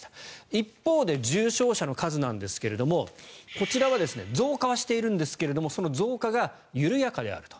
一方で、重症者の数なんですがこちらは増加はしているんですがその増加が緩やかであると。